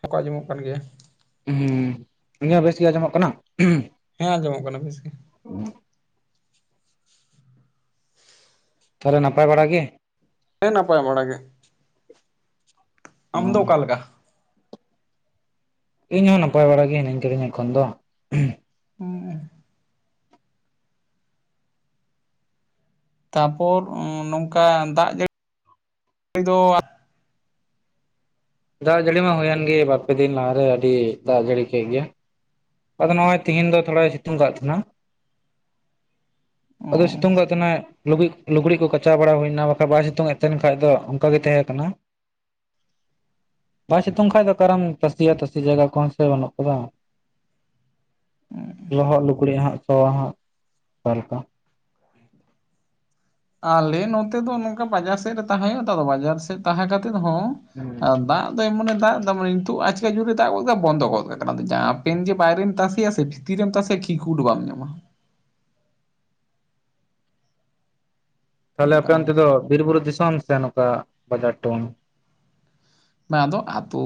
ᱱᱚᱠᱟ ᱟᱸᱡᱚᱢᱚᱜ ᱠᱟᱱ ᱜᱮᱭᱟ᱾ ᱦᱩᱸ ᱤᱧᱟᱹᱜ ᱵᱮᱥ ᱜᱮ ᱟᱸᱡᱚᱢᱚᱜ ᱠᱟᱱᱟ᱾ ᱦᱮᱸ ᱟᱸᱡᱚᱢᱚᱜ ᱠᱟᱱᱟ ᱵᱮᱥ ᱜᱮ? ᱛᱷᱟᱞᱮ ᱱᱟᱯᱟᱭ ᱵᱟᱲᱟ ᱜᱤ? ᱦᱮᱸ ᱱᱟᱯᱟᱭ ᱵᱟᱲᱟᱜ ᱜᱮ᱾ ᱟᱢ ᱫᱚ ᱚᱠᱟ ᱮᱞᱠᱟ? ᱤᱧ ᱦᱚᱸ ᱱᱟᱯᱟᱭ ᱵᱟᱲᱟ ᱜᱮ ᱦᱤᱱᱟᱹᱧ ᱠᱟᱹᱫᱤᱧᱟ ᱮᱠᱷᱚᱱ ᱫᱚ᱾ ᱦᱚ ᱦᱮᱸ᱾ ᱛᱟᱯᱚᱨ ᱚ ᱱᱚᱝᱠᱟ ᱫᱟᱜ ᱡᱟᱹᱲᱤ ᱫᱚ ᱟ ᱫᱟᱜ ᱡᱟᱹᱲᱤ ᱢᱟ ᱦᱩᱭᱮᱱ ᱜᱮ ᱵᱟᱨ ᱯᱮ ᱫᱤᱱ ᱞᱟᱦᱟ ᱨᱮ, ᱟᱹᱰᱤ ᱫᱟᱜ ᱡᱟᱹᱲᱤ ᱠᱮᱜ ᱜᱮ᱾ ᱟᱫᱚ ᱱᱚᱜ-ᱚᱭ ᱛᱤᱦᱤᱧ ᱫᱚ ᱛᱷᱚᱲᱟᱭ ᱥᱤᱛᱩᱝ ᱠᱟᱜ ᱛᱟᱮᱱᱟ᱾ ᱟᱫᱚᱭ ᱥᱤᱛᱩᱝ ᱠᱟᱜ ᱛᱮᱦᱮᱱᱟᱭ᱾ ᱞᱩᱜᱽᱤᱡ ᱞᱩᱜᱽᱲᱤᱡ ᱠᱚᱩ ᱠᱟᱪᱟᱣ ᱵᱟᱲᱟ ᱦᱩᱭᱱᱟ, ᱵᱟᱠᱷᱟᱡ ᱵᱟᱭ ᱥᱤᱛᱩᱝᱮᱫ ᱛᱮᱦᱮᱱ ᱠᱷᱟᱡ ᱫᱚ ᱚᱱᱠᱟ ᱜᱮ ᱛᱟᱦᱮᱸ ᱠᱟᱱᱟ᱾ ᱵᱟᱭ ᱥᱤᱛᱩᱝ ᱠᱷᱟᱡ ᱫᱚ ᱚᱠᱟᱨᱮᱢ ᱛᱟᱥᱤᱭᱟ ᱛᱟᱥᱮ ᱡᱟᱭᱜᱟ ᱠᱚᱦᱚᱸ ᱥᱮ ᱵᱟᱹᱱᱩᱜ ᱠᱟᱫᱟ᱾ ᱞᱚᱦᱚᱫ ᱞᱩᱜᱽᱲᱤᱡᱜ ᱦᱟᱸᱜ ᱥᱚᱣᱟ ᱦᱟᱸᱜ ᱚᱠᱟ ᱞᱮᱠᱟ᱾ ᱟᱞᱮ ᱱᱚᱛᱮ ᱫᱚ ᱱᱚᱝᱠᱟ ᱵᱟᱡᱟᱨ ᱥᱮᱫ ᱨᱮ ᱛᱟᱦᱮᱸ ᱦᱚᱭᱩᱜ ᱟ ᱛᱚ ᱟᱫᱚ ᱵᱟᱡᱟᱨ ᱥᱮᱡ ᱛᱟᱦᱮᱸ ᱠᱟᱛᱮᱜ ᱦᱚᱸ ᱟ ᱦᱩᱸ ᱫᱟᱜ ᱫᱚᱭ ᱮᱢᱚᱱᱮ ᱫᱟᱜ ᱮᱫᱟ ᱢᱟᱱᱮ ᱱᱤᱛᱩᱜ ᱟᱪᱠᱟ ᱡᱩᱨᱮ ᱫᱟᱜ ᱜᱚᱜ ᱠᱮᱫᱟ ᱵᱚᱱᱫᱚ ᱜᱚᱫ ᱠᱟᱜ ᱠᱟᱱᱟ ᱟᱫᱚ ᱡᱟᱦᱟᱸ ᱯᱮᱱ ᱡᱮ ᱵᱟᱭᱨᱮᱱ ᱛᱟᱥᱮᱭᱟ ᱥᱮ ᱛᱤᱨᱮᱢ ᱛᱟᱥᱮᱭᱟ ᱠᱷᱤ ᱠᱷᱩᱴ ᱵᱟᱢ ᱧᱟᱢᱟ᱾ ᱛᱟᱦᱚᱞᱮ ᱟᱯᱮ ᱚᱱᱠᱟᱱ ᱚᱱᱛᱮ ᱫᱚ ᱚᱵᱚᱥᱛᱟ ᱵᱤᱨ ᱵᱩᱨᱩ ᱫᱤᱥᱚᱢ ᱥᱮ ᱱᱚᱠᱟ ᱵᱟᱡᱟᱨ ᱴᱟᱣᱩᱱ᱾ ᱵᱟ ᱟᱫᱚ ᱟᱛᱩ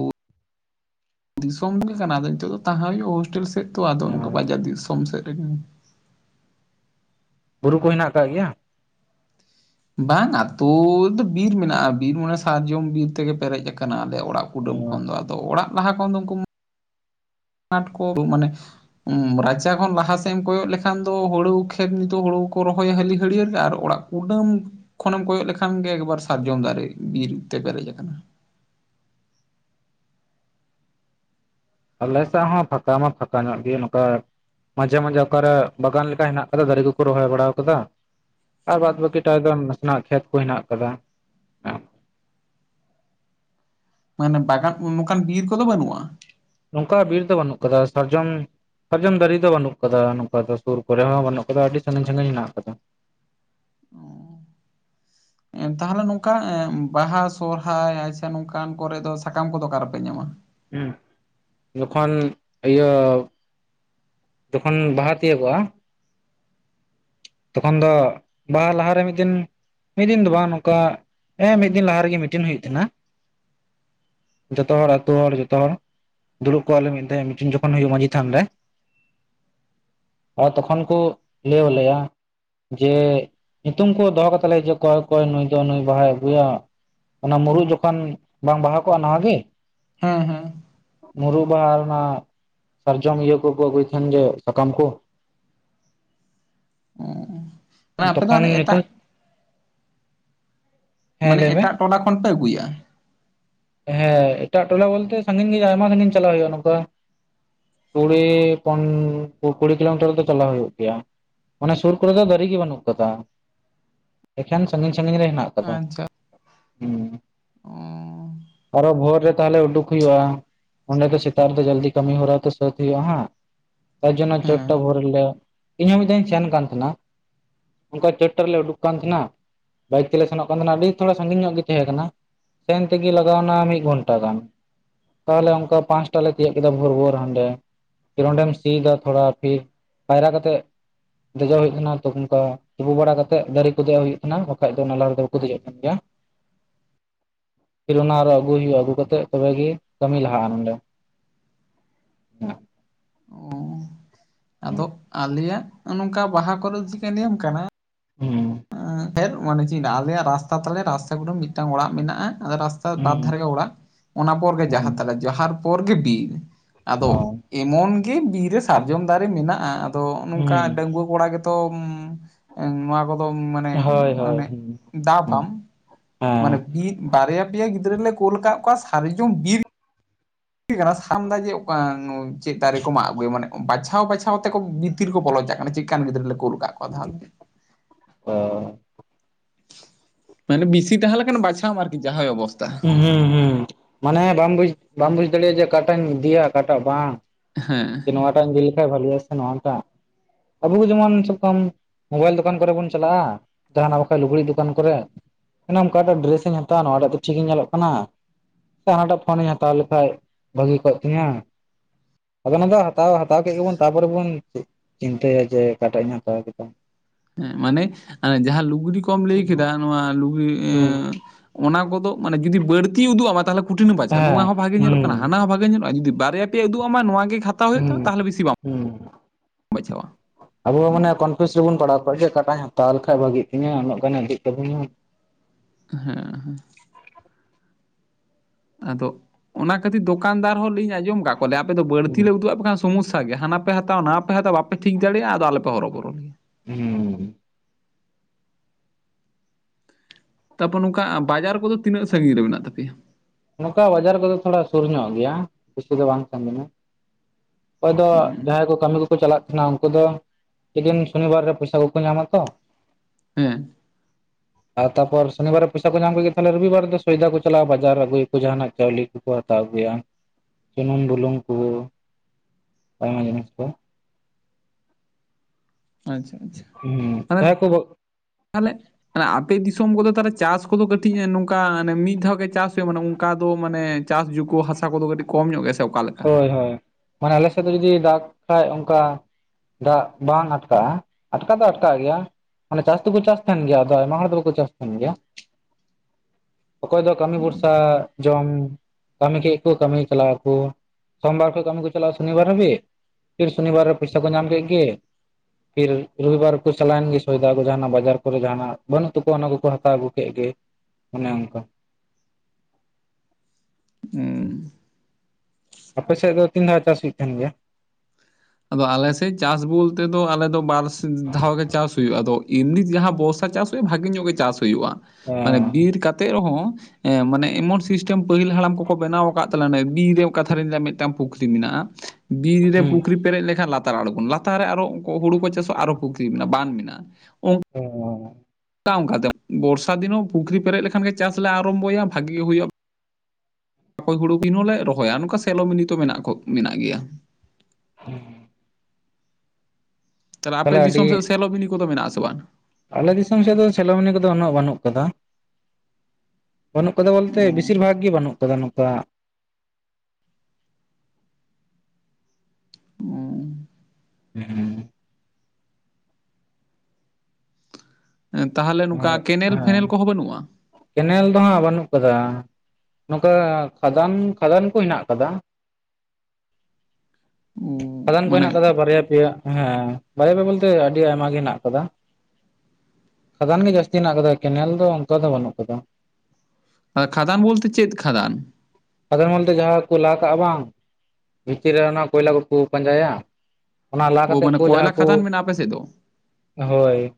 ᱫᱤᱥᱚᱢ ᱜᱮ ᱠᱟᱱᱟ ᱟᱫᱚ ᱱᱤᱛᱚᱜ ᱫᱚ ᱛᱟᱦᱟᱸ ᱦᱩᱭᱩᱜ ᱦᱳᱥᱴᱮᱞ ᱥᱮᱫ᱾ ᱛᱚ ᱟᱫᱚ ᱱᱚᱝᱠᱟ ᱵᱟᱡᱟᱨ ᱫᱤᱥᱚᱢ ᱥᱮᱫ ᱨᱮ ᱜᱮ᱾ ᱵᱩᱨᱩ ᱠᱚ ᱦᱮᱱᱟᱜ ᱟᱠᱟᱜ ᱜᱮᱭᱟ? ᱵᱟᱝᱟ ᱟᱛᱩ ᱫᱚ ᱵᱤᱨ ᱢᱮᱱᱟᱜ-ᱟ, ᱵᱤᱨ ᱢᱟᱱᱮ ᱥᱟᱨᱡᱚᱢ ᱵᱤᱨ ᱛᱮᱜᱮ ᱯᱮᱨᱮᱡ ᱟᱠᱟᱱᱟ᱾ ᱠᱟᱱᱟ ᱟᱞᱮᱭᱟᱜ ᱚᱲᱟᱜ ᱠᱩᱰᱟᱹᱢ ᱠᱷᱚᱱ ᱫᱚ ᱟᱞᱮ ᱟᱫᱚ ᱚᱲᱟᱜ ᱞᱟᱦᱟ ᱠᱷᱚᱱ ᱫᱚ ᱩᱱᱠᱩᱢ ᱠᱟᱸᱴ ᱠᱳ ᱫᱳ‌ ᱢᱟᱱᱮ ᱩᱸᱢ ᱨᱟᱪᱟ ᱠᱷᱚᱱ ᱞᱟᱦᱟ ᱥᱮᱜ ᱮᱢ ᱠᱚᱭᱚᱜ ᱞᱮᱠᱷᱟᱱ ᱫᱚ ᱦᱩᱲᱩ ᱠᱷᱮᱛ ᱱᱤᱛᱚᱜ ᱦᱩᱲᱩ ᱠᱚᱠᱚ ᱨᱚᱦᱚᱭᱟ ᱦᱟᱹᱞᱤ ᱦᱟᱹᱲᱭᱟᱹᱲ ᱜᱮ ᱟᱨ ᱚᱲᱟᱜ ᱠᱩᱰᱟᱹᱢ ᱠᱷᱚᱱᱮᱢ ᱠᱚᱭᱚᱜ ᱞᱮᱠᱷᱟᱱ ᱜᱮ ᱮᱠᱵᱟᱨ ᱥᱟᱨᱡᱚᱢ ᱫᱟᱨᱮ ᱵᱤᱨ ᱛᱮ ᱯᱮᱨᱮᱡ ᱟᱠᱟᱱᱟ᱾ ᱟᱞᱮ ᱥᱮᱜ ᱦᱚᱸ ᱯᱷᱟᱸᱠᱟ ᱢᱟ ᱯᱷᱟᱸᱠᱟ ᱧᱚᱜ ᱜᱮ ᱱᱚᱠᱟ ᱢᱟᱡᱷᱮ ᱢᱟᱡᱮ ᱚᱠᱟ ᱨᱮ ᱵᱟᱜᱟᱱ ᱞᱮᱠᱟ ᱦᱮᱱᱟᱜ ᱠᱟᱫᱟ ᱫᱟᱨᱮ ᱠᱩ ᱠᱩ ᱨᱚᱦᱚᱭ ᱵᱟᱲᱟᱣ ᱠᱟᱫᱟ᱾ ᱟᱨ ᱵᱟᱫᱽ ᱵᱟᱹᱠᱤᱴᱟᱭ ᱫᱚ ᱱᱟᱥᱮ ᱱᱟᱜ ᱠᱷᱮᱛ ᱠᱚ ᱦᱮᱱᱟᱜ ᱠᱟᱫᱟ᱾ ᱢᱟᱱᱮ ᱵᱟᱜᱟᱱ ᱚ ᱱᱚᱠᱟᱱ ᱵᱤᱨ ᱠᱚᱫᱚ ᱵᱟᱹᱱᱩᱜ-ᱟ? ᱱᱚᱝᱠᱟ ᱵᱤᱨ ᱫᱚ ᱵᱟᱱᱩᱜ ᱠᱟᱫᱟ ᱥᱟᱨᱡᱚᱢ ᱥᱟᱨᱡᱚᱢ ᱫᱟᱨᱤ ᱫᱚ ᱵᱟᱹᱱᱩᱜ ᱠᱟᱫᱟ ᱱᱚᱝᱠᱟ ᱫᱚ ᱥᱩᱨ ᱠᱚᱨᱮ ᱦᱚᱸ ᱵᱟᱱᱩᱜ ᱠᱟᱫᱟ ᱟᱹᱰᱤ ᱥᱟᱺᱜᱤᱧ ᱥᱟᱺᱜᱤᱧ ᱦᱮᱱᱟᱜ ᱟᱠᱟᱫᱟ᱾ ᱮᱸ ᱛᱟᱦᱚᱞᱮ ᱱᱚᱝᱠᱟ ᱮᱸ ᱵᱟᱦᱟ ᱥᱚᱨᱦᱟᱭ ᱟᱪᱪᱷᱟ ᱱᱚᱝᱠᱟᱱ ᱠᱚᱨᱮ ᱫᱚ ᱥᱟᱠᱟᱢ ᱠᱚᱫᱚ ᱚᱠᱟ ᱨᱮᱯᱮ ᱧᱟᱢᱟ? ᱦᱩᱸ ᱡᱚᱠᱷᱚᱱ ᱤᱭᱟᱹ ᱡᱚᱠᱷᱚᱱ ᱵᱟᱦᱟ ᱛᱤᱭᱟᱹᱜᱚᱜᱼᱟ ᱛᱚᱠᱷᱚᱱ ᱫᱚ ᱵᱟᱦᱟ ᱞᱟᱦᱟᱨᱮ ᱢᱤᱫ ᱫᱤᱱ ᱢᱤᱫ ᱫᱤᱱ ᱫᱚ ᱵᱟᱝ ᱱᱚᱝᱠᱟ ᱦᱮᱸ ᱢᱤᱫ ᱫᱤᱱ ᱞᱟᱦᱟ ᱨᱮᱜᱮ ᱢᱤᱴᱤᱱ ᱦᱩᱭᱩᱜ ᱛᱮᱦᱮᱱᱟ᱾ ᱡᱚᱛᱚ ᱦᱚᱲ ᱟᱹᱛᱩ ᱦᱚᱲ ᱡᱚᱛᱚ ᱦᱚᱲ᱾ ᱫᱩᱲᱩᱵ ᱠᱚᱼᱟ ᱞᱮ ᱢᱤᱫ ᱫᱷᱮ ᱢᱤᱴᱤᱱ ᱡᱚᱠᱷᱚᱱ ᱦᱩᱭᱩᱜᱼᱟ ᱢᱟᱡᱷᱤ ᱛᱷᱟᱱ ᱨᱮ᱾ ᱟᱨ ᱛᱚᱠᱷᱚᱱ ᱠᱳ ᱞᱮᱣ ᱟᱞᱮᱭᱟ᱾ ᱡᱮ ᱧᱩᱛᱩᱢ ᱠᱚ ᱫᱚᱦᱚ ᱠᱟᱛᱞᱮ ᱹᱡᱮ ᱠᱚᱣ ᱠᱚᱭ ᱱᱩᱭ ᱫᱚ ᱱᱩᱭ ᱵᱟᱦᱟᱭ ᱟᱹᱜᱩᱭᱟ᱾ ᱚᱱᱟ ᱢᱩᱨᱩᱜ ᱡᱚᱠᱷᱚᱱ ᱵᱟᱝ ᱵᱟᱦᱟ ᱠᱚᱜᱼᱟ ᱱᱚᱣᱟ ᱜᱮ ᱦᱮᱸ ᱦᱮᱸ᱾ ᱢᱩᱨᱩᱜ ᱵᱟᱦᱟ ᱨᱮᱱᱟᱜ ᱥᱟᱨᱡᱚᱢ ᱤᱭᱟᱹ ᱠᱚᱠᱚ ᱟᱹᱜᱩᱭ ᱛᱟᱦᱮᱱ ᱜᱮ ᱥᱟᱠᱟᱢ ᱠᱚ᱾ ᱚᱸ᱾ ᱛᱚᱠᱷᱚᱱ ᱧᱩᱛᱩᱢ ᱦᱮᱸ ᱢᱟᱱᱮ ᱞᱟᱹᱭ ᱢᱮ ᱮᱴᱟᱜ ᱴᱚᱞᱟ ᱠᱷᱚᱱ ᱯᱮ ᱟᱹᱜᱩᱭᱮᱜ-ᱟ᱾ ᱦᱮᱸ ᱮᱴᱟᱜ ᱴᱚᱞᱟ ᱵᱚᱞᱛᱮ ᱥᱟᱸᱜᱤᱧ ᱜᱮ ᱟᱭᱢᱟ ᱜᱷᱟᱹᱱᱤᱧ ᱪᱟᱞᱟᱣ ᱦᱩᱭᱩᱜᱼᱟ ᱱᱚᱝᱠᱟ ᱠᱩᱲᱤ ᱯᱚᱱ ᱠᱩᱲᱤ ᱠᱤᱞᱳᱢᱤᱴᱟᱨ ᱫᱚ ᱪᱟᱞᱟᱣ ᱦᱩᱭᱩᱜ ᱜᱮᱭᱟ᱾ ᱚᱱᱮ ᱥᱩᱨ ᱠᱚᱨᱮ ᱫᱚ ᱫᱟᱨᱤ ᱜᱮ ᱵᱟᱹᱱᱩᱜ ᱟᱠᱟᱫᱟ᱾ ᱮᱠᱷᱮᱱ ᱥᱟᱺᱜᱤᱧ ᱥᱟᱺᱜᱤᱧ ᱨᱮ ᱦᱮᱱᱟᱜ ᱛ ᱟᱪᱪᱷᱟ [unintelligible] ᱦᱮᱸ ᱟᱨᱚ ᱵᱽᱷᱳᱨ ᱨᱮ ᱛᱟᱦᱞᱮ ᱩᱰᱩᱠ ᱦᱩᱭᱩᱜᱼᱟ᱾ ᱚᱸᱰᱮ ᱫᱚ ᱥᱮᱛᱟᱜ ᱦᱩᱭ ᱡᱚᱞᱫᱤ ᱠᱟᱹᱢᱤ ᱦᱚᱨᱟ ᱾ ᱛᱮ ᱥᱳᱹᱠ ᱦᱩᱭᱩᱜᱼᱟ, ᱦᱟᱸᱜ ᱛᱟᱨ ᱪᱳᱠᱴᱟ ᱦᱮᱸ ᱵᱷᱳᱨᱞᱮ ᱤᱧ ᱦᱚᱸ ᱢᱤᱫᱷᱟᱹᱧ ᱥᱮᱱ ᱠᱟᱱ ᱛᱟᱱᱟ᱾ ᱚᱱᱠᱟ ᱪᱚᱴᱴᱟᱨ ᱨᱮᱞᱮ ᱩᱰᱩᱠ ᱠᱟᱱ ᱛᱷᱮᱱᱟ᱾ ᱵᱟᱭᱤᱠ ᱛᱮᱞᱮ ᱥᱮᱱᱚᱜ ᱠᱟᱱ ᱛᱮᱦᱮᱱᱟ ᱾ ᱟᱹᱰᱤ ᱛᱷᱚᱲᱟ ᱥᱟᱸᱜᱤᱧ ᱧᱚᱜ ᱜᱮ ᱛᱮᱦᱮᱸ ᱠᱟᱱᱟ᱾ ᱥᱮᱱ ᱛᱮᱜᱮ ᱞᱟᱜᱟᱣᱱᱟ ᱢᱤᱜ ᱜᱷᱚᱱᱴᱟ ᱜᱟᱱ᱾ ᱛᱟᱦᱞᱮ ᱚᱱᱠᱟ ᱯᱟᱸᱥᱴᱟ ᱞᱮ ᱛᱤᱭᱟᱹᱜ ᱠᱮᱫᱟ᱾ ᱵᱷᱳᱨ - ᱵᱷᱳᱨ ᱦᱟᱸᱰᱮ ᱯᱳᱨ ᱚᱰᱮᱢ ᱥᱤᱭᱫᱟ ᱛᱷᱚᱲᱟ ᱯᱷᱤᱨ ᱯᱟᱭᱨᱟ ᱠᱟᱛᱮᱜᱼᱼᱼ ᱡᱚᱡᱟᱲ ᱦᱩᱭᱩᱜ ᱛᱮᱦᱱᱟ᱾ ᱛᱳᱯᱩᱱ ᱠᱚ ᱛᱩᱯᱩ ᱵᱟᱲᱟ ᱠᱟᱛᱮᱜ, ᱫᱟᱨᱤ ᱠᱚ ᱫᱮᱡᱜ ᱦᱩᱭᱩᱜ ᱠᱟᱱᱟ᱾ ᱵᱟᱠᱟᱡ ᱫᱚ ᱱᱟᱞᱟ ᱨᱮᱫᱚ ᱦᱳᱲ ᱠᱚ ᱫᱮᱡᱚᱜ ᱠᱟᱱ ᱜᱮᱭᱟ᱾ ᱯᱷᱤᱨ ᱚᱱᱟ ᱟᱨᱚ ᱟᱜᱩ ᱦᱩᱭᱩᱜᱼᱟ ᱾ ᱟᱜᱩ ᱠᱟᱛᱮᱜ ᱛᱚᱵᱮ ᱜᱮ ᱠᱟᱢᱤ ᱞᱟᱦᱟᱜᱼᱟ᱾ ᱱᱚᱱᱰᱮ ᱟᱫᱚᱜ ᱟᱞᱮᱭᱟᱜ ᱱᱚᱝᱠᱟ ᱵᱟᱦᱟ ᱠᱚᱨᱮ ᱫᱚ, ᱪᱤᱠᱟᱧ ᱞᱟᱹᱭᱟᱹᱢ ᱠᱟᱱᱟ᱾ ᱦᱩᱸ ᱮᱫ ᱢᱟᱱᱮ ᱪᱮᱫ ᱟᱞᱮ, ᱨᱟᱥᱛᱟ ᱛᱟᱞᱮ ᱨᱟᱥᱛᱟ ᱜᱩᱰᱳ ᱢᱤᱫᱴᱟᱝ ᱚᱲᱟᱜ ᱢᱤᱱᱟᱜᱼᱟ ᱨᱟᱥ ᱵᱟᱨ ᱦᱩᱸ ᱫᱽᱷᱟᱨᱮ ᱜᱮ ᱚᱲᱟᱜ, ᱚᱱᱟ ᱯᱚᱨ ᱜᱮ ᱦᱩᱸ ᱡᱟᱦᱟᱨ ᱛᱟᱞᱮ, ᱡᱚᱟᱦᱟᱨ ᱯᱚᱨ ᱜᱮ ᱵᱤᱨ᱾ ᱟᱫᱚᱜ ᱮᱢᱚᱱ ᱜᱮᱮ ᱵᱤᱨ ᱨᱮ ᱥᱟᱨᱡᱚᱢ ᱫᱟᱨᱮ ᱢᱮᱱᱟᱜᱼᱟ᱾ ᱟᱫᱚ ᱱᱚᱝᱠᱟ ᱰᱟᱺᱜᱩᱣᱟᱹᱜ ᱠᱚᱲᱟᱜ ᱜᱮᱛᱚᱻᱢ ᱱᱚᱣᱟ ᱠᱚᱫᱚᱢ ᱢᱟᱱᱮ ᱦᱳᱭ ᱦᱳᱭ ᱦᱳᱭ ᱢᱟᱱᱮ ᱦᱩᱸ ᱫᱟᱵᱟᱢ, ᱦᱮᱸ ᱢᱟᱱᱮ ᱵᱤᱨ ᱵᱟᱨᱭᱟ ᱯᱮᱭᱟ ᱜᱤᱫᱽᱨᱟᱹ ᱞᱮ ᱠᱳᱞ ᱟᱠᱟᱜ ᱠᱚᱣᱟ ᱾ᱥᱟᱨᱡᱚᱢ ᱵᱤᱨ ᱪᱮᱜ ᱠᱟᱱᱟ, ᱥᱟᱝ ᱫᱟ ᱡᱮ ᱚᱠᱟᱸᱮ ᱸ ᱝᱚ ᱪᱮᱫ ᱫᱟᱨᱮ ᱠᱚ ᱢᱟᱜ ᱟᱜᱩᱭᱟ᱾ ᱢᱟᱱᱮᱜ ᱵᱟᱪᱷᱟᱣ - ᱵᱟᱪᱷᱟᱣ ᱛᱮᱠᱚ ᱵᱤᱛᱤᱨ? ᱠᱚ ᱵᱚᱞᱚ ᱪᱟᱜ ᱠᱟᱱᱟ᱾ ᱪᱮᱜ ᱠᱟᱱ ᱜᱤᱫᱽᱨᱟᱹ ᱞᱮ ᱠᱩᱞ ᱠᱟᱜ ᱠᱚᱣᱟ ᱛᱟᱦᱞᱮ ᱚᱸ ᱢᱟᱱᱮ ᱵᱤᱥᱤ ᱛᱟᱦᱮᱸᱞᱮᱠᱟᱱ, ᱵᱟᱪᱷᱟᱣᱟ ᱟᱨᱠᱤ ᱡᱟᱦᱟᱭ ᱚᱵᱚᱥᱛᱟ᱾ ᱦᱩᱸ- ᱦᱩᱸ- ᱦᱩᱸ ᱢᱟᱱᱮ ᱵᱟᱢᱵᱩᱡᱽ - ᱵᱟᱢ ᱵᱩᱡᱽ ᱫᱟᱲᱮᱭᱟᱜᱼᱟ᱾ ᱡᱮ ᱚᱠᱟᱴᱟᱜ ᱤᱧ ᱤᱫᱤᱭᱟ᱾ ᱚᱠᱟᱴᱟᱜ ᱵᱟᱝ? ᱦᱮᱸ ᱦᱮ ᱱᱚᱣᱟ ᱢᱟᱜ ᱤᱧ ᱤᱫᱤ ᱞᱮ ᱠᱷᱟᱭ ᱵᱷᱟᱞᱤᱭᱟ᱾ ᱥᱮ ᱱᱚᱶᱟᱣᱟ ᱴᱟᱜ ᱟᱵᱩ ᱫᱚ ᱡᱮᱢᱚᱱ ᱪᱮᱞᱠᱟᱱ, ᱢᱳᱵᱟᱭᱤᱞ ᱫᱚᱠᱟᱱ ᱠᱚᱨᱮ ᱵᱚᱱ ᱪᱟᱞᱟᱜᱼᱟ᱾ ᱡᱟᱦᱟᱱᱟ-ᱜ ᱵᱟᱠᱷᱟᱡ ᱞᱩᱜᱽᱲᱤ ᱫᱚᱠᱟᱱ ᱠᱚᱨᱮ, ᱚᱠᱟᱴᱟᱜ ᱰᱨᱮᱥ ᱤᱧ ᱦᱟᱛᱟᱣᱟ᱾ ᱱᱚᱣᱟᱴᱟᱜ ᱫᱚ ᱴᱷᱤᱠ ᱜᱤ ᱧᱮᱞᱚᱜ ᱠᱟᱱᱟ᱾ ᱛᱚ ᱦᱟᱰᱮᱸ ᱯᱷᱳᱱᱤᱧ ᱦᱟᱛᱟᱣ ᱞᱮᱠᱷᱟᱡ, ᱵᱷᱽᱟᱹᱜᱤ ᱠᱚᱜ ᱛᱤᱧᱟᱹ ᱟᱫᱚ ᱚᱱᱟ ᱫᱚ ᱦᱟᱛᱟᱣ - ᱦᱟᱛᱟᱣ ᱠᱮᱜ ᱜᱮᱵᱚᱱ, ᱛᱟᱯᱚᱨᱮ ᱵᱚᱱ ᱪᱤᱱᱛᱟᱹᱭᱟ ᱡᱮ, ᱚᱠᱟᱴᱟᱜ ᱤᱧ ᱦᱟᱛᱟᱣ ᱠᱮᱫᱟ᱾ ᱦᱮᱸ ᱢᱟᱱᱮ ᱡᱟᱦᱟᱸ ᱞᱩᱜᱽᱲᱤ ᱠᱚᱢ ᱞᱟᱹᱭ ᱦᱩᱸ ᱠᱮᱫᱟ ᱾ᱱᱚᱣᱟ ᱞᱩᱜᱽᱲᱤ ᱮᱸ ᱚᱱᱟ ᱠᱚᱫᱚᱜ ᱢᱟᱱᱮ ᱡᱩᱫᱤ ᱵᱟᱹᱲᱛᱤ, ᱩᱫᱩᱜ ᱟᱢᱟ ᱛᱟᱦᱞᱮ ᱠᱚ ᱯᱷᱩᱴᱤᱱᱤ ᱵᱟᱪᱷᱟ ᱱᱚᱣᱟ ᱦᱮᱸ ᱦᱚᱸ, ᱵᱷᱟᱜᱮ ᱧᱮᱞᱚᱜ ᱦᱩᱸ ᱠᱟᱱᱟ ᱾ ᱦᱟᱱᱟ ᱦᱚᱸ ᱵᱷᱟᱜᱮ ᱧᱮᱞᱚᱜ, ᱡᱩᱫᱤ ᱵᱟᱨᱭᱟ ᱯᱭᱟ ᱩᱫᱩᱜ ᱟᱢᱟ, ᱱᱚᱣᱟ ᱜᱮ ᱠᱷᱟᱛ ᱦᱩᱸ - ᱦᱩᱸ ᱵᱟᱪᱷᱟᱣᱟ ᱟᱫᱚ ᱢᱟᱱᱮ ᱚᱯᱷᱤᱥ ᱨᱮᱵᱚᱱ ᱯᱟᱲᱟᱣ, ᱠᱚᱟᱡ ᱚᱴᱟᱜ ᱤᱧ ᱦᱟᱛᱟᱣ ᱞᱮᱠᱷᱟᱡ ᱵᱷᱽᱟᱜᱤ ᱛᱤᱧᱟ᱾ ᱩᱱᱟᱹ ᱜᱟᱱ ᱫᱮᱡ ᱟᱜᱩ ᱦᱚᱸ ᱦᱮᱸ- ᱦᱮᱸ ᱟᱫᱚ ᱚᱱᱟ ᱠᱷᱟᱹᱛᱤᱨ ᱫᱚᱠᱟᱱᱫᱟᱨ ᱦᱚᱸ ᱞᱤᱧ ᱟᱸᱡᱚᱢ ᱠᱟᱜ ᱠᱚᱣᱟ᱾ ᱞᱮ ᱟᱯᱮ ᱫᱚ ᱵᱟᱹᱲᱛᱤ ᱦᱩᱸ ᱞᱮ ᱩᱫᱩᱜ ᱟ ᱯᱮ ᱠᱷᱟᱱ ᱥᱚ ᱥᱚᱢᱳᱥᱟ ᱜᱮ, ᱦᱟᱱᱟᱯᱮ ᱦᱟᱛᱟᱣᱟ ᱱᱚᱣᱠ ᱯᱮ ᱦᱟᱛᱣᱟ, ᱵᱟᱯᱮ ᱴᱷᱤᱠ ᱫᱟᱲᱮᱭᱟᱜᱼᱟ᱾ ᱟᱫᱚ ᱟᱞᱚ ᱞᱮ ᱦᱚᱨᱚᱵᱚᱨᱚ-ᱟ᱾ ᱦᱩᱸ ᱛᱟᱯᱚᱨ ᱱᱚᱝᱠᱟ ᱵᱟᱡᱟᱨ ᱠᱚᱼᱫᱚ ᱛᱤᱱᱟᱹᱜ ᱥᱟᱺᱜᱤᱱ ᱨᱮ ᱢᱮᱱᱟᱜ ᱛᱟᱯᱮᱭᱟ? ᱱᱚᱝᱠᱟ ᱵᱟᱡᱟᱨ ᱠᱚᱼᱫᱚ ᱛᱷᱚᱲᱟ ᱥᱩᱨ ᱧᱚᱜ ᱜᱮᱭᱟ᱾ ᱵᱮᱥᱤ ᱫᱚ ᱵᱟᱝ ᱠᱟᱱᱱᱟ᱾ ᱚᱠᱚᱭ ᱫᱚ ᱡᱟᱦᱟᱸᱭ ᱠᱚ ᱠᱟᱹᱢᱤ ᱠᱚ ᱪᱟᱞᱟᱜ ᱛᱟᱦᱮᱱᱟ ᱾ ᱩᱱᱠᱩ ᱫᱚ ᱡᱮᱫᱤᱱ ᱥᱚᱱᱤᱵᱟᱨ ᱨᱮ ᱯᱚᱭᱥᱟ ᱠᱚᱠᱚ ᱧᱟᱢᱟ ᱛᱚ᱾ ᱦᱮᱸ ᱟᱨ ᱛᱯᱚᱨ ᱥᱚᱱᱤᱵᱟᱨ ᱯᱚᱭᱥᱟ ᱠᱚ ᱧᱟᱢ ᱠᱮᱫᱜᱮ, ᱛᱟᱦᱮᱸ ᱨᱚᱵᱤᱵᱟᱨ ᱫᱚ ᱥᱚᱭᱤᱫᱟ ᱠᱚ ᱪᱞᱟᱼᱟ ᱾ᱵᱟᱡᱟᱨ ᱨᱮᱜᱩᱭ ᱦᱠᱩ ᱡᱟᱦᱟᱱᱟᱜ ᱪᱟᱣᱞᱮ ᱠᱚᱼᱠᱚ ᱦᱟᱛᱟᱣ ᱟᱹᱜᱩᱭᱟ᱾ ᱥᱩᱱᱩᱢ ᱵᱩᱞᱩᱝ ᱠᱚ ᱚᱶᱢᱟ ᱡᱤᱱᱤᱥ ᱠᱚ ᱟᱪᱪᱷᱟ - ᱟᱪᱪᱷᱟ ᱦᱩᱸ ᱛᱟᱦᱮ ᱡᱟᱦᱟᱸᱭ ᱠᱚ ᱛᱟᱦᱚᱞᱮ ᱢᱟᱱᱮ ᱟᱯᱮ ᱫᱤᱥᱚᱢ ᱠᱚᱫᱚ ᱛᱟᱦᱚᱞᱮ ᱪᱟᱥ ᱠᱚᱫᱚ ᱠᱟᱹᱴᱤᱡ ᱱᱚᱝᱠᱟ ᱚᱱᱮ ᱢᱤᱫ ᱫᱷᱟᱣ ᱜᱮ ᱪᱟᱥ ᱦᱩᱭᱩᱜᱼᱟ ᱢᱟᱱᱮ ᱚᱱᱠᱟ ᱫᱚ ᱢᱟᱱᱮ ᱪᱟᱥ ᱡᱩ ᱠᱚ ᱦᱟᱥᱟ ᱠᱚᱫᱚ ᱠᱟᱹᱴᱤᱡ ᱠᱚᱢ ᱧᱚᱜ ᱜᱮᱥᱮ ᱚᱠᱟᱞᱮᱠᱟ? ᱦᱳᱭ ᱦᱳᱭ ᱢᱟᱱᱮ ᱟᱞᱮ ᱥᱮᱫ ᱫᱚ ᱡᱩᱫᱤ ᱫᱟᱜ ᱠᱷᱟᱡ ᱚᱱᱠᱟ ᱫᱟᱜ ᱵᱟᱝ ᱟᱴᱠᱟᱜᱼᱟ ᱟᱴᱠᱟᱣ ᱫᱚ ᱟᱴᱠᱟᱜ ᱜᱮᱭᱟ᱾ ᱢᱟᱱᱮ ᱪᱟᱥ ᱫᱚᱠᱚ ᱪᱟᱥ ᱛᱟᱦᱮᱱ ᱜᱮᱭᱟ ᱟᱫᱚ ᱟᱭᱢᱟ ᱦᱚᱲ ᱫᱚ ᱵᱟᱠᱚ ᱪᱟᱥ ᱛᱟᱦᱮᱱ ᱜᱮᱭᱟ᱾ ᱚᱠᱚᱭ ᱫᱚ ᱠᱟᱹᱢᱤ ᱵᱷᱚᱨᱥᱟ ᱡᱚᱢ ᱠᱟᱹᱢᱤ ᱠᱮᱫ ᱠᱚ ᱠᱟᱹᱢᱤ ᱪᱟᱞᱟ ᱟᱠᱚ᱾ ᱥᱳᱢᱵᱟᱨ ᱠᱷᱚᱡ ᱠᱟᱹᱢᱤ ᱠᱚ ᱪᱟᱞᱟᱜ ᱥᱚᱱᱤᱵᱟᱨ ᱯᱷᱤᱨ ᱥᱚᱱᱤᱵᱟᱨ ᱨᱮ ᱯᱚᱭᱥᱟ ᱠᱚ ᱧᱟᱢ ᱠᱮᱫ ᱜᱮ᱾ ᱯᱷᱤᱨ ᱨᱚᱵᱤᱵᱟᱨ ᱠᱚ ᱪᱟᱞᱟᱮᱱ ᱜᱮ ᱥᱚᱭᱫᱟ ᱟᱜᱩ ᱡᱟᱦᱱᱟᱜ ᱵᱟᱡᱟᱨ ᱠᱚᱨᱮ ᱡᱟᱦᱱᱟᱜ ᱵᱟᱹᱱᱩᱜ ᱛᱟᱠᱚᱣᱟ ᱚᱱᱟ ᱠᱚᱠᱚ ᱦᱟᱛᱟᱣ ᱟᱹᱜᱩ ᱠᱮᱫ ᱜᱮ᱾ ᱚᱱᱮ ᱚᱱᱠᱟ᱾ ᱚᱸ᱾ ᱟᱯᱮ ᱥᱮᱫ ᱫᱚ ᱛᱤᱱ ᱫᱷᱟᱣᱟ ᱪᱟᱥ ᱦᱩᱭᱩᱜ ᱛᱟᱦᱮᱱ ᱜᱮᱭᱟ? ᱟᱫᱚ ᱟᱞᱮ ᱥᱮᱫ ᱪᱟᱥ ᱵᱚᱞᱛᱮ ᱫᱚ ᱟᱞᱮ ᱫᱚ ᱵᱟᱨ ᱫᱷᱟᱣ ᱜᱮ ᱪᱟᱥ ᱦᱩᱭᱩᱜᱼᱟ᱾ ᱟᱫᱚ ᱮᱢᱱᱤ ᱡᱟᱦᱟᱸ ᱵᱚᱨᱥᱟ ᱪᱟᱥ ᱦᱩᱭᱩᱜᱼᱟ ᱵᱷᱟᱹᱜᱤ ᱧᱚᱜ ᱜᱮ ᱪᱟᱥ ᱦᱩᱭᱩᱜᱼᱟ᱾ ᱢᱟᱱᱮ ᱵᱤᱨ ᱠᱟᱛᱮᱜ ᱨᱮᱦᱚᱸ ᱦᱮᱸ ᱢᱟᱱᱮ ᱮᱢᱚᱱ ᱥᱤᱥᱴᱮᱢ ᱯᱟᱹᱦᱤᱞ ᱦᱟᱲᱟᱢ ᱠᱚᱠᱚ ᱵᱮᱱᱟᱣ ᱟᱠᱟᱫ ᱛᱟᱞᱮ ᱚᱱᱮ ᱵᱤᱨ ᱨᱮ ᱠᱟᱛᱷᱟ ᱠᱟᱛᱷᱟᱨᱮᱧ ᱞᱟᱹᱫᱟ ᱢᱤᱫᱴᱟᱝ ᱯᱩᱠᱷᱨᱤ ᱢᱮᱱᱟᱜᱼᱟ᱾ ᱵᱤᱨ ᱨᱮ ᱦᱩᱸ ᱯᱩᱠᱷᱨᱤ ᱯᱮᱨᱮᱡ ᱞᱮᱱᱠᱷᱟᱱ ᱞᱟᱛᱟᱨ ᱟᱬᱜᱱ ᱞᱟᱛᱟᱨ ᱨᱮ ᱟᱨᱚ ᱦᱩᱲᱩ ᱠᱚ ᱟᱨᱚ ᱯᱩᱠᱷᱨᱤ ᱢᱮᱱᱟᱜᱼᱟ, ᱵᱟᱱ ᱢᱮᱱᱟᱜᱼᱟ᱾ ᱦᱮᱸ᱾ ᱛᱟ ᱚᱱᱠᱟᱛᱮ ᱵᱚᱨᱥᱟ ᱫᱤᱱ ᱦᱚᱸ ᱯᱩᱠᱷᱨᱤ ᱯᱮᱨᱮᱡ ᱞᱮᱠᱷᱟᱱ ᱜᱮ ᱪᱟᱥ ᱞᱮ ᱟᱨᱚᱢᱵᱷᱚᱭᱟ ᱵᱷᱟᱜᱤ ᱜᱮ ᱦᱩᱭᱩᱜᱼᱟ᱾ ᱚᱠᱚᱭ ᱦᱳᱲᱩ ᱠᱤᱱ ᱦᱚᱸᱞᱮ ᱨᱚᱦᱚᱭᱟ᱾ ᱱᱚᱝᱠᱟ ᱥᱮᱞᱳ ᱢᱤᱱᱤ ᱛᱚ ᱢᱮᱱᱟᱜ ᱠᱚ ᱢᱮᱱᱟᱜ ᱜᱮᱭᱟ᱾ ᱦᱮᱸ᱾ ᱛᱟᱦᱚᱞᱮ ᱛᱟᱦᱞᱮ ᱟᱯᱮ ᱟᱹᱰᱤ ᱫᱤᱥᱚᱢ ᱥᱮᱫ ᱥᱮᱞᱳ ᱵᱤᱞᱤ ᱠᱚᱫᱚ ᱢᱮᱱᱟᱜ ᱟᱥᱮ ᱵᱟᱝ? ᱟᱞᱮ ᱫᱤᱥᱚᱢ ᱥᱮᱫ ᱫᱚ ᱥᱮᱞᱳ ᱢᱤᱱᱤ ᱠᱚᱫᱚ ᱩᱱᱟᱹᱜ ᱵᱟᱹᱱᱩᱜ ᱟᱠᱟᱫᱟ᱾ ᱵᱟᱹᱱᱩᱜ ᱟᱠᱟᱫᱟ ᱵᱚᱞᱛᱮ ᱚ ᱵᱮᱥᱤᱨ ᱵᱷᱟᱜᱽ ᱜᱮ ᱵᱟᱹᱱᱩᱜ ᱟᱠᱟᱫᱟ ᱱᱚᱝᱠᱟ᱾ ᱚ᱾ [inaudible] ᱮᱸ ᱛᱟᱦᱚᱞᱮ ᱱᱚᱝᱠᱟ ᱠᱮᱱᱮᱞ ᱯᱷᱮᱱᱮᱞ ᱠᱚᱦᱚᱸ ᱵᱟᱹᱱᱩᱜᱼᱟ? ᱠᱮᱱᱮᱞ ᱫᱚ ᱦᱟᱸᱜ ᱵᱟᱹᱱᱩᱜ ᱠᱟᱫᱟ᱾ ᱱᱚᱝᱠᱟ ᱠᱷᱟᱫᱟᱱ ᱠᱷᱟᱫᱟᱱ ᱠᱚ ᱦᱮᱱᱟᱜ ᱟᱠᱟᱫᱟ᱾ ᱚ ᱠᱷᱟᱫᱟᱱ ᱠᱚ ᱦᱮᱱᱟᱜ ᱢᱟᱱᱮ ᱟᱠᱟᱫᱟ ᱵᱟᱨᱭᱟ ᱯᱮᱭᱟ᱾ ᱦᱮᱸ ᱵᱟᱨᱭᱟ ᱯᱮᱭᱟ ᱵᱚᱞᱛᱮ ᱟᱹᱰᱤ ᱟᱭᱢᱟ ᱜᱮ ᱦᱮᱱᱟᱜ ᱟᱠᱟᱫᱟ᱾ ᱠᱷᱟᱫᱟᱱ ᱜᱮ ᱡᱟᱹᱥᱛᱤ ᱦᱮᱱᱟᱜ ᱟᱠᱟᱫᱟ, ᱠᱮᱱᱮᱞ ᱫᱚ ᱚᱱᱠᱟ ᱫᱚ ᱵᱟᱹᱱᱩᱜ ᱟᱠᱟᱫᱟ᱾ ᱟᱨ ᱠᱷᱟᱫᱟᱱ ᱵᱚᱞᱛᱮ ᱪᱮᱫ ᱠᱷᱟᱫᱟᱱ? ᱠᱷᱟᱫᱟᱱ ᱵᱚᱞᱛᱮ ᱡᱟᱦᱟᱸ ᱠᱚ ᱠᱚ ᱞᱟ ᱠᱟᱜᱼᱟ ᱵᱟᱝ᱾ ᱵᱷᱤᱛᱤᱨ ᱨᱮ ᱚᱱᱟ ᱠᱚᱭᱞᱟ ᱠᱚᱠᱚ ᱯᱟᱸᱡᱟᱭᱟ, ᱚᱱᱟ ᱞᱟ ᱚ ᱠᱟᱛᱮ ᱢᱟᱱᱮ ᱠᱚ ᱡᱟᱦᱟᱸ ᱠᱚᱭᱞᱟ ᱠᱚ ᱠᱷᱟᱫᱟᱱ ᱢᱮᱱᱟᱜᱼᱟ ᱟᱯᱮ ᱥᱮᱫ ᱫᱚ ᱦᱳᱭ᱾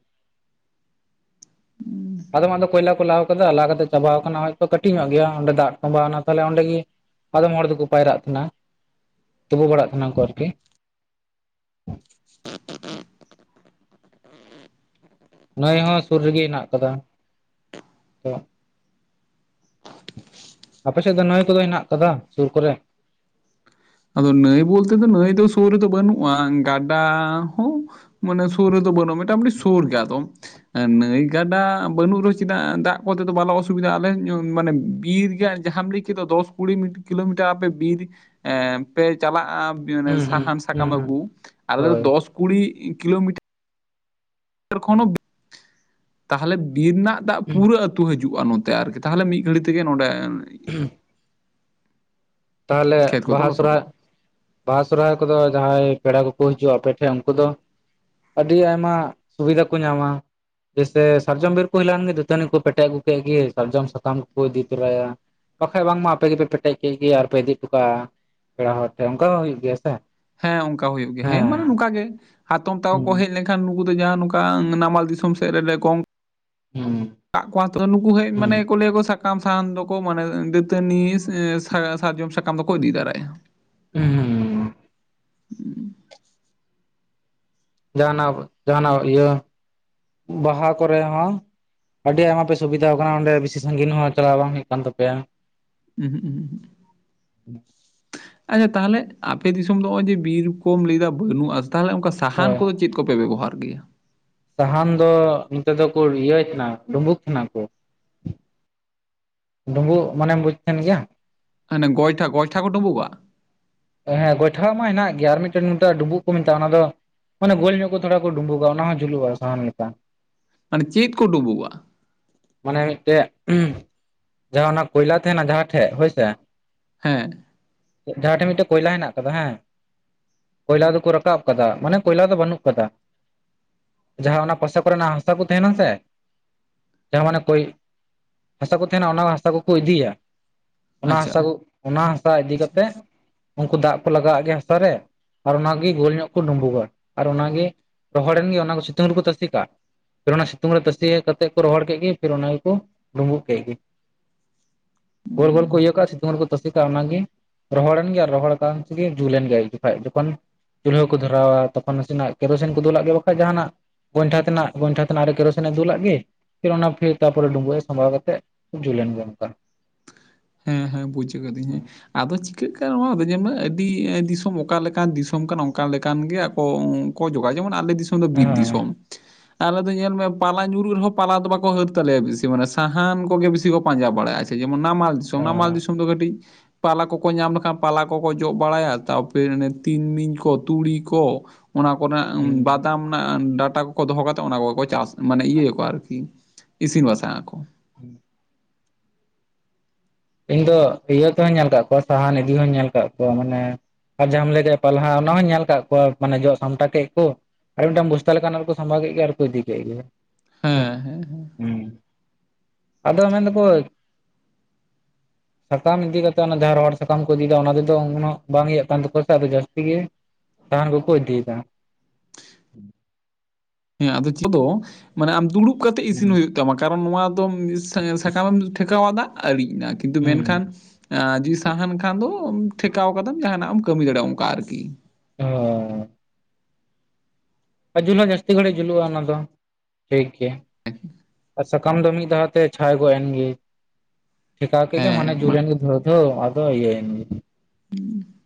ᱟᱚᱢᱟᱜ ᱫᱚ ᱠᱚᱭᱞᱟ ᱠᱚ ᱞᱟᱣ ᱠᱟᱫᱟ᱾ ᱞᱟᱜ ᱠᱟᱛᱮᱜ ᱪᱟᱵᱟᱣ ᱟᱠᱟᱱᱟ, ᱦᱚᱭᱛᱚ ᱠᱟᱹᱴᱤᱡ ᱧᱚᱜ ᱜᱮᱭᱟ ᱚᱸᱰᱮ ᱫᱟᱜ ᱠᱚᱢᱵᱟᱣᱱᱟ ᱛᱟᱦᱚᱞᱮ ᱚᱸᱰᱮ ᱜᱮ ᱟᱫᱚᱢ ᱦᱚᱲ ᱫᱚᱠᱚ ᱯᱟᱭᱨᱟᱜ ᱛᱟᱦᱮᱱᱟ, ᱛᱩᱯᱩ ᱵᱟᱲᱟᱜ ᱛᱟᱦᱮᱱᱟ ᱠᱚ ᱟᱨᱠᱤ᱾ ᱱᱟᱹᱭ ᱦᱚᱸ ᱥᱩᱨ ᱨᱮᱜᱮ ᱦᱮᱱᱟᱜ ᱟᱠᱟᱫᱟ᱾ ᱛᱚ ᱟᱯᱮ ᱥᱮᱫ ᱫᱚ ᱱᱟᱹᱭ ᱠᱚᱫᱚ ᱦᱮᱱᱟᱜ ᱠᱟᱫᱟ ᱥᱩᱨ ᱠᱚᱨᱮ? ᱟᱫᱚ ᱱᱟᱹᱭ ᱵᱚᱞᱛᱮ ᱫᱚ ᱱᱟᱹᱭ ᱫᱚ ᱥᱩᱨ ᱨᱮᱫᱚ ᱵᱟᱹᱱᱩᱜᱼᱟ᱾ ᱜᱟᱰᱟ ᱦᱚᱸ ᱢᱟᱱᱮ ᱥᱩᱨ ᱨᱮᱫᱚ ᱵᱚᱱᱜᱼᱟ, ᱢᱚᱴᱟᱢᱩᱴᱤ ᱥᱩᱨᱜᱮ ᱟᱫᱚ᱾ ᱦᱮᱸ ᱱᱟᱹᱭ ᱜᱟᱰᱟ ᱵᱟᱹᱱᱩᱜ ᱨᱮᱦᱚᱸ ᱪᱮᱫᱟᱜ ᱫᱟᱜ ᱠᱚᱛᱮ ᱫᱚ ᱵᱟᱞᱮ ᱚᱥᱩᱵᱤᱫᱟᱜᱼᱟ ᱟᱞᱮ ᱢᱟᱱᱮ ᱵᱤᱨ ᱨᱮᱭᱟᱜ ᱡᱟᱦᱟᱸᱢ ᱞᱮᱹᱭ ᱠᱮᱫ ᱫᱚ ᱫᱚᱥ ᱠᱩᱲᱤ ᱢᱤ ᱠᱤᱞᱳᱢᱤᱴᱟᱨ ᱟᱯᱮ ᱵᱤᱨ ᱮᱸ ᱯᱮ ᱪᱟᱞᱟᱜᱼᱟ ᱦᱩᱸ ᱦᱩᱸ ᱥᱟᱦᱟᱱ ᱦᱩᱸ ᱥᱟᱠᱟᱢ ᱦᱩᱸ ᱟᱹᱜᱩ, ᱟᱞᱮ ᱫᱚ ᱦᱳᱭ ᱫᱚᱥ ᱠᱩᱲᱤ ᱠᱤᱞᱳᱢᱤᱴ [unintelligible] ᱠᱷᱚᱱ ᱦᱚᱸ ᱛᱟᱦᱚᱞᱮ ᱵᱤᱨ ᱨᱮᱱᱟᱜ ᱫᱟᱜ ᱯᱩᱨᱟᱹ ᱟᱹᱛᱩ ᱦᱤᱡᱩᱜᱼᱟ ᱱᱚᱛᱮ ᱟᱨᱠᱤ, ᱛᱟᱦᱞᱮ ᱢᱤᱜ ᱜᱷᱟᱹᱲᱤ ᱛᱮᱜᱮ ᱱᱚᱸᱰᱮ ᱦᱩᱸ ᱛᱟᱦᱚᱞᱮ ᱠᱷᱮᱛ ᱠᱚᱫᱚ ᱵᱟᱦᱟ ᱥᱚᱨᱦᱟᱭ ᱞᱚᱥᱚᱫᱚᱜᱼᱟ ᱵᱟᱦᱟ ᱥᱚᱨᱦᱟᱭ ᱠᱚᱫᱚ ᱡᱟᱦᱟᱸᱭ ᱯᱮᱲᱟ ᱠᱚᱠᱚ ᱦᱤᱡᱩᱜᱼᱟ ᱟᱯᱮᱴᱷᱮᱜ ᱩᱱᱠᱩ ᱫᱚ ᱟᱹᱰᱤ ᱟᱭᱢᱟ ᱥᱩᱵᱤᱫᱷᱟ ᱠᱚ ᱧᱟᱢᱟ ᱾ ᱪᱮᱥᱴᱟᱭᱟ ᱥᱟᱨᱡᱚᱢ ᱵᱤᱨ ᱠᱩ ᱫᱟᱹᱛᱟᱹᱱᱤ ᱠᱚ ᱯᱮᱴᱮᱡ ᱟᱹᱜᱩ ᱠᱮᱜ ᱜᱤ ᱥᱟᱨᱡᱚᱢ ᱥᱟᱠᱟᱢ ᱠᱚᱠᱚ ᱤᱫᱤ ᱛᱚᱨᱟᱭᱟ ᱵᱟᱠᱷᱟᱡ ᱵᱟᱝᱢᱟ ᱟᱯᱮ ᱜᱮᱯᱮ ᱯᱮᱴᱮᱡ ᱠᱮᱜ ᱜᱮ ᱟᱨᱯᱮ ᱤᱫᱤ ᱦᱚᱴᱚ ᱠᱟᱜᱼᱟ ᱯᱮᱲᱟ ᱦᱚᱲ ᱴᱷᱮᱜ ᱚᱱᱠᱟ ᱦᱚᱸ ᱦᱩᱭᱩᱜ ᱜᱮᱭᱟ ᱥᱮ? ᱦᱮᱸ ᱚᱱᱠᱟ ᱦᱩᱭᱩᱜ ᱜᱮ, ᱦᱮᱸ ᱢᱟᱱᱮ ᱱᱚᱝᱠᱟ ᱜᱮ ᱦᱟᱛᱚᱢ ᱛᱟᱠᱚ ᱠᱚ ᱦᱩᱸ ᱦᱮᱡ ᱞᱮ ᱠᱷᱟᱱ ᱱᱩᱠᱩ ᱫᱚ ᱡᱟᱦᱟ ᱱᱚᱝᱠᱟ ᱱᱟᱢᱟᱞ ᱫᱤᱥᱚᱢ ᱥᱮᱜ ᱨᱮ ᱞᱮᱞᱮ ᱜᱚᱝ ᱦᱩᱸ ᱴᱟᱜ ᱠᱚ ᱛᱚᱳᱨᱮᱱ ᱱᱩᱠᱩ ᱦᱮᱡ ᱦᱩᱸ ᱢᱟᱱᱮ ᱠᱚ ᱞᱟᱹᱭᱟ ᱠᱚ ᱥᱟ ᱠᱟᱢ ᱥᱟᱦᱟᱱ ᱱᱩᱠᱩ ᱢᱟᱱᱮ, ᱫᱟᱹᱛᱟᱹᱱᱤ ᱥᱟ- ᱥᱟᱨᱡᱚᱢ ᱥᱟᱠᱟᱢ ᱫᱚ ᱠᱚ ᱤᱫᱤ ᱫᱟᱨᱟᱭᱟ ᱾ ᱦᱩᱸ ᱦᱩᱸ ᱦᱩᱸ ᱡᱟᱦᱟᱸᱱᱟᱜ ᱡᱟᱦᱟᱸᱱᱟᱜ ᱤᱭᱟᱹ ᱵᱟᱦᱟ ᱠᱚᱨᱮ ᱦᱚᱸ ᱟᱹᱰᱤ ᱟᱭᱢᱟ ᱯᱮ ᱥᱩᱵᱤᱫᱟᱣ ᱠᱟᱱᱟ ᱚᱸᱰᱮ ᱵᱤᱥᱤ ᱥᱟᱹᱜᱤᱱ ᱦᱚᱸ ᱪᱟᱞᱟᱣ ᱵᱟᱝ ᱦᱩᱭᱩᱜ ᱠᱟᱱ ᱛᱟᱯᱮᱭᱟ᱾ ᱩᱦᱩᱸᱜ ᱩᱦᱩᱸᱜ ᱩᱦᱩᱸᱜ ᱟᱪᱪᱷᱟ ᱛᱟᱦᱚᱞᱮ ᱟᱯᱮ ᱫᱤᱥᱚᱢ ᱫᱚ ᱦᱚᱸᱜᱼᱚᱭ ᱡᱮ ᱵᱤᱨ ᱠᱚᱢ ᱞᱟᱹᱭᱫᱟ ᱵᱟᱹᱱᱩᱜᱼᱟ ᱛᱟᱦᱚᱞᱮ ᱚᱝᱠᱟ ᱥᱟᱦᱟᱱ ᱦᱳᱭ ᱠᱚᱫᱚ ᱪᱮᱜ ᱠᱚᱯᱮ ᱵᱮᱵᱚᱦᱟᱨ ᱜᱮᱭᱟ? ᱥᱟᱦᱟᱱ ᱫᱚ ᱱᱤᱛᱮ ᱫᱚᱠᱚ ᱨᱭᱟᱹᱭ ᱛᱟᱦᱮᱱᱟ ᱰᱳᱸᱵᱳᱠ ᱛᱟᱦᱮᱱᱟ ᱠᱚ᱾ ᱰᱳᱸᱵᱳᱜ ᱢᱟᱱᱮᱢ ᱵᱩᱡ ᱛᱟᱦᱮᱱ ᱜᱮᱭᱟ? ᱦᱟᱱᱮ ᱜᱚᱭᱴᱟ ᱜᱚᱭᱴᱟ ᱠᱚ ᱰᱳᱸᱵᱳᱜᱼᱟ? ᱦᱮᱸ ᱜᱚᱭᱴᱷᱟ ᱢᱟ ᱦᱮᱱᱟᱜ ᱜᱮᱭᱟ ᱟᱨ ᱢᱤᱫᱴᱮᱱ ᱱᱚᱛᱮ ᱰᱩᱸᱵᱩᱜ ᱠᱚ ᱢᱮᱛᱟᱜᱼᱟ ᱚᱱᱟ ᱫᱚ ᱢᱟᱱᱮ ᱜᱳᱞ ᱧᱚᱜ ᱠᱚ ᱛᱷᱚᱲᱟ ᱠᱚ ᱰᱩᱸᱵᱩᱜᱼᱟ ᱚᱱᱟ ᱦᱚᱸ ᱡᱩᱞᱩᱜᱼᱟ ᱥᱟᱦᱟᱱ ᱞᱮᱠᱟ᱾ ᱢᱟᱱᱮ ᱪᱮᱫ ᱠᱚ ᱰᱳᱵᱳᱜᱼᱟ? ᱢᱟᱱᱮ ᱢᱤᱫᱴᱮᱜ ᱡᱟᱦᱟᱸ ᱚᱱᱟ ᱠᱚᱭᱞᱟ ᱛᱟᱦᱮᱱᱟ ᱡᱟᱦᱟᱸ ᱴᱷᱮᱜ ᱦᱳᱭᱥᱮ ᱦᱮᱸ ᱡᱟᱦᱟᱸᱴᱷᱮᱜ ᱢᱤᱫᱴᱮᱜ ᱠᱚᱭᱞᱟ ᱦᱮᱱᱟᱜ ᱠᱟᱫᱟ ᱦᱮᱸ ᱠᱚᱭᱞᱟ ᱫᱚᱠᱚ ᱨᱟᱠᱟᱵ ᱠᱟᱫᱟ ᱢᱟᱱᱮ ᱠᱚᱭᱞᱟ ᱫᱚ ᱵᱟᱹᱱᱩᱜ ᱠᱟᱫᱟ ᱡᱟᱦᱟᱸ ᱚᱱᱟ ᱯᱚᱥᱮ ᱠᱚᱨᱮᱱᱟᱜ ᱦᱟᱥᱟ ᱠᱩ ᱛᱟᱦᱮᱱᱟ ᱥᱮ ᱡᱟᱦᱟᱸ ᱢᱟᱱᱮ ᱠᱚᱭ ᱦᱟᱥᱟ ᱠᱚ ᱛᱟᱦᱮᱱᱟ ᱚᱱᱟ ᱦᱟᱥᱟ ᱠᱚᱠᱚ ᱤᱫᱤᱭᱟ ᱚᱱᱟ ᱟᱪᱪᱷᱟ ᱦᱟᱥᱟ ᱠᱚ ᱚᱱᱟ ᱦᱟᱥᱟ ᱤᱫᱤ ᱟᱪᱪᱷᱟ ᱠᱟᱛᱮᱜ ᱩᱱᱠᱩ ᱫᱟᱜ ᱠᱚ ᱞᱟᱜᱟᱣᱟᱜ ᱜᱮᱭᱟ ᱦᱟᱥᱟ ᱨᱮ ᱟᱨ ᱚᱱᱟᱜᱮ ᱜᱳᱞ ᱧᱚᱜ ᱠᱚ ᱰᱩᱸᱵᱩᱜᱼᱟ ᱟᱨ ᱚᱱᱟᱜᱮ ᱨᱚᱦᱚᱲᱮᱱ ᱜᱮ ᱚᱱᱟ ᱠᱚ ᱥᱤᱛᱩᱝ ᱨᱮᱠᱚ ᱛᱟᱥᱮ ᱠᱟᱜ ᱯᱷᱤᱨ ᱚᱱᱟ ᱥᱤᱛᱩᱝ ᱨᱮ ᱛᱟᱥᱮ ᱠᱟᱛᱮᱜ ᱠᱚ ᱨᱚᱦᱚᱲ ᱠᱮᱜ ᱜᱮ ᱯᱷᱤᱨ ᱚᱱᱟᱜᱮ ᱠᱚ ᱰᱩᱸᱵᱩᱜ ᱠᱮᱜ ᱜᱤ ᱜᱳᱞ ᱜᱳᱞ ᱠᱚ ᱦᱩᱸ ᱤᱭᱟᱹ ᱠᱟᱜᱼᱟ ᱥᱤᱛᱩᱝ ᱨᱮᱠᱚ ᱛᱟᱥᱮ ᱠᱟᱜᱼᱟ ᱚᱱᱟᱜᱮ ᱨᱚᱦᱚᱲᱮᱱ ᱜᱮ ᱨᱚᱦᱚᱲ ᱠᱟᱱ ᱥᱮ ᱜᱮ ᱡᱩᱞᱮᱱ ᱜᱮ ᱠᱷᱟᱡ ᱡᱚᱠᱷᱚᱱ ᱪᱩᱞᱦᱟᱹ ᱠᱚ ᱫᱷᱚᱨᱟᱣᱟ ᱛᱚᱠᱷᱚᱱ ᱱᱟᱥᱮᱱᱟᱜ ᱠᱮᱨᱳᱥᱤᱱ ᱠᱚ ᱫᱩᱞᱟᱜ ᱜᱮᱭᱟ, ᱵᱟᱠᱷᱟᱡ ᱡᱟᱦᱟᱱᱟᱜ ᱜᱚᱭᱴᱷᱟ ᱛᱮᱱᱟᱜ ᱜᱚᱭᱴᱷᱟ ᱛᱮᱱᱟᱜ ᱨᱮ ᱠᱮᱨᱳᱥᱤᱱᱮ ᱫᱩᱞᱟᱜ ᱜᱤ ᱯᱷᱤᱨ ᱚᱱᱟ ᱯᱷᱤᱨ ᱛᱟᱯᱚᱨᱮ ᱰᱩᱸᱵᱩᱜ ᱮ ᱥᱟᱢᱵᱟᱣ ᱠᱟᱛᱮᱜ ᱡᱩᱞᱮᱱ ᱜᱮ ᱱᱚᱝᱠᱟ ᱾ ᱦᱮᱸ ᱦᱮᱸ ᱵᱩᱡᱽ ᱠᱟᱹᱫᱟᱹᱧ ᱦᱮᱸ ᱟᱫᱚ ᱪᱤᱠᱟᱹᱜ ᱠᱟᱱᱟ ᱱᱚᱣᱟ ᱟᱫᱚ ᱡᱮᱢᱚᱱ ᱟᱹᱰᱤ ᱫᱤᱥᱚᱢ ᱚᱠᱟᱞᱮᱠᱟᱱ ᱫᱤᱥᱚᱢ ᱠᱟᱱᱟ ᱚᱱᱠᱟ ᱞᱮᱠᱟᱱ ᱜᱮ ᱟᱠᱚ ᱠᱚ ᱡᱚᱜᱟ ᱡᱮᱢᱚᱱ ᱟᱞᱮ ᱫᱤᱥᱚᱢ ᱫᱚ ᱵᱤᱨ ᱦᱮᱸ ᱫᱤᱥᱚᱢ [unintelligible] ᱟᱞᱮ ᱫᱚ ᱧᱮᱞ ᱢᱮ ᱯᱟᱞᱟ ᱧᱩᱨᱩᱜ ᱨᱮᱦᱚᱸ ᱯᱟᱞᱟ ᱫᱚ ᱵᱟᱠᱚ ᱦᱟᱹᱨ ᱛᱟᱞᱮᱭᱟ ᱵᱤᱥᱤ ᱢᱟᱱᱮ ᱥᱟᱦᱟᱱ ᱠᱚᱜᱮ ᱵᱤᱥᱤ ᱠᱚ ᱯᱟᱸᱡᱟ ᱵᱟᱲᱟᱭᱟ᱾ ᱡᱮᱢᱚᱱ ᱱᱟᱢᱟᱞ ᱫᱤᱥᱚᱢ ᱱᱟᱢᱟᱞ ᱦᱮᱸ ᱫᱤᱥᱚᱢ ᱫᱚ ᱠᱟᱹᱴᱤᱡ ᱯᱟᱞᱟ ᱠᱚᱠᱚ ᱧᱟᱢ ᱞᱮᱠᱷᱟᱱ ᱯᱟᱞᱟ ᱠᱚᱠᱚ ᱡᱚᱜ ᱵᱟᱲᱟᱭᱟ ᱛᱟᱨᱯᱚᱨ ᱚᱱᱮ ᱛᱤᱱᱢᱤᱧ ᱠᱚ ᱛᱩᱲᱤ ᱠᱚ ᱚᱱᱟ ᱠᱚᱨᱮ ᱱᱟᱜ ᱦᱩᱸ ᱵᱟᱫᱟᱢ ᱱᱟᱜ ᱰᱟᱴᱟ ᱠᱚᱠᱚ ᱫᱚᱦᱚ ᱠᱟᱛᱮᱫ ᱚᱱᱟ ᱠᱚᱜᱮ ᱠᱚ ᱪᱟᱥᱟ᱾ ᱢᱟᱱᱮ ᱤᱭᱟᱹ ᱭᱟᱠᱚ ᱟᱨᱠᱤ ᱤᱥᱤᱱ ᱵᱟᱥᱟᱝ ᱟᱠᱚ᱾ [inaudible] ᱤᱧ ᱫᱚ ᱤᱭᱟᱹ ᱛᱮᱦᱚᱧ ᱧᱮᱞ ᱠᱟᱜ ᱠᱚᱣᱟ ᱥᱟᱦᱟᱱ ᱤᱫᱤ ᱦᱚᱧ ᱧᱮᱞ ᱠᱟᱜ ᱠᱚᱣᱟ ᱢᱟᱱᱮ ᱟᱨ ᱡᱟᱦᱟᱸᱢ ᱞᱟᱹᱭ ᱠᱮᱜ ᱯᱟᱞᱦᱟ ᱚᱱᱟ ᱦᱚᱸᱭ ᱧᱮᱞ ᱠᱟᱜ ᱠᱚᱣᱟ ᱢᱟᱱᱮ ᱡᱚᱜ ᱥᱟᱢᱴᱟᱣ ᱠᱮᱜ ᱠᱚ ᱟᱨ ᱢᱤᱫᱴᱟᱝ ᱵᱚᱥᱛᱟ ᱞᱮᱠᱟᱱᱟᱜ ᱨᱮᱠᱚ ᱥᱟᱢᱵᱟᱣ ᱠᱮᱜ ᱜᱮ ᱟᱨ ᱠᱚ ᱤᱫᱤ ᱠᱮᱜ ᱜᱮ᱾ ᱦᱩᱸ, ᱦᱩᱸ ᱦᱩᱸ᱾ ᱟᱫᱚ ᱢᱮᱱ ᱫᱟᱠᱚ ᱥᱟᱠᱟᱢ ᱤᱫᱤ ᱠᱟᱛᱮ ᱚᱱᱟ ᱡᱟᱦᱟᱸ ᱨᱚᱦᱚᱲ ᱥᱟᱠᱟᱢ ᱠᱚ ᱤᱫᱤᱭᱮᱫᱟ ᱚᱱᱟ ᱛᱮᱫᱚ ᱩᱱᱟᱹᱜ ᱵᱟᱝ ᱤᱭᱟᱹᱜ ᱠᱟᱱ ᱛᱟᱠᱚᱣᱟ ᱥᱮ ᱟᱫᱚ ᱡᱟᱹᱥᱛᱤ ᱜᱮ ᱥᱟᱦᱟᱱ ᱠᱚᱠᱚ ᱤᱫᱤᱭᱮᱫᱟ᱾ ᱦᱮᱸ ᱟᱫᱚ [inaudible] ᱢᱟᱱᱮ ᱟᱢ ᱫᱩᱲᱩᱵ ᱠᱟᱛᱮ ᱤᱥᱤᱱ ᱦᱩᱭᱩᱜ ᱛᱟᱢᱟ ᱠᱟᱨᱚᱱ ᱱᱚᱣᱟ ᱫᱚ ᱮᱸ ᱥᱟ ᱥᱟᱠᱟᱢᱮᱢ ᱴᱷᱮᱠᱟᱣ ᱟᱫᱟ ᱟᱲᱤᱡ ᱮᱱᱟ ᱠᱤᱱᱛᱩ ᱦᱩᱸ ᱢᱮᱱᱠᱷᱟᱱ ᱟᱸ ᱡᱩᱫᱤ ᱥᱟᱦᱟᱱ ᱠᱷᱟᱱ ᱫᱚ ᱟᱢ ᱴᱷᱮᱠᱟᱣ ᱠᱟᱫᱟᱢ ᱡᱟᱦᱟᱱᱟᱜ ᱮᱢ ᱠᱟᱹᱢᱤ ᱫᱟᱲᱮᱭᱟᱜᱼᱟ ᱚᱱᱠᱟ ᱟᱨᱠᱤ᱾ ᱦᱳᱭ᱾ ᱟᱨ ᱡᱩᱞ ᱦᱚᱸ ᱡᱟᱹᱥᱛᱤ ᱜᱷᱟᱲᱤᱡ ᱡᱩᱞᱩᱜᱼᱟ ᱚᱱᱟ ᱫᱚ ᱴᱷᱤᱠ ᱜᱮᱭᱟ᱾ [inaudible] ᱟᱨ ᱥᱟᱠᱟᱢ ᱫᱚ ᱢᱤᱫ ᱫᱷᱟᱣ ᱛᱮ ᱪᱷᱟᱭ ᱜᱚᱫ ᱮᱱ ᱜᱮ ᱴᱷᱮᱠᱟᱣ ᱠᱮᱜ ᱜᱮᱢ ᱦᱟᱱᱮ ᱦᱮᱸ ᱢᱟ ᱡᱩᱞ ᱮᱱ ᱜᱮ ᱫᱷᱟᱹᱣ ᱫᱷᱟᱹᱣ ᱟᱫᱚ ᱤᱭᱟᱹᱭᱮᱱ ᱜᱮ᱾ ᱦᱩᱸ᱾